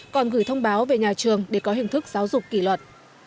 còn gửi thông báo về nhà trường để có hình thức giáo dục kỷ luật